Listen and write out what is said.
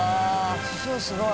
すごい。